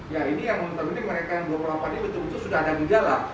ya ini yang penting mereka yang dua puluh delapan ini betul betul sudah ada gejala